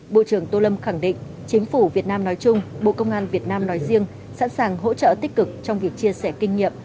bộ trưởng tô lâm khẳng định chính phủ việt nam nói chung bộ công an việt nam nói riêng sẵn sàng hỗ trợ tích cực trong việc chia sẻ kinh nghiệm